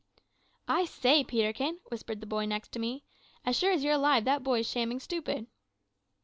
"`I say, Peterkin,' whispered the boy next to me, `as sure as you're alive that boy's shamming stupid.'